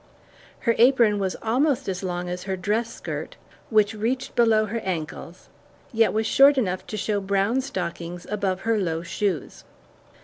Her apron was almost as long as her dress skirt, which reached below her ankles, yet was short enough to show brown stockings above her low shoes.